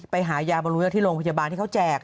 ไปหายามารู้เยอะที่โรงพยาบาลที่เขาแจก